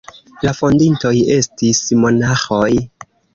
La fondintoj estis monaĥoj.